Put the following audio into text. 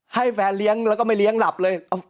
ให้แฟนเลี้ยงแล้วก็ไม่เลี้ยงหลับเลย